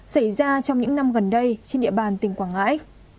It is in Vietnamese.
xảy ra trong những năm gần đây trên địa bàn tỉnh quảng ngãi